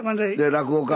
落語家。